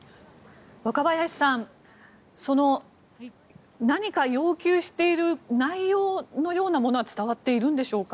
若林さん、何か要求している内容のようなものは伝わっているんでしょうか。